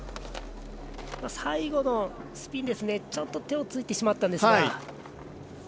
最後のスピンでちょっと手をついてしまったんですが。